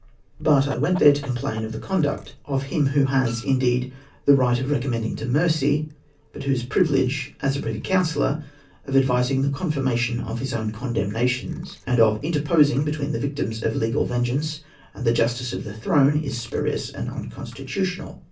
But I went there to complain of the conduct of him who has indeed the right of recommending to mercy, but whose privilege, as a Privy Councillor, of advising the confirmation of his own condemnations, and of interposing between the victims of legal vengeance and the justice of the throne, is spurious and unconstitutional.